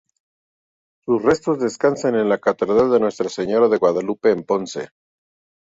Sus restos descansan en la Catedral Nuestra Señora de Guadalupe en Ponce.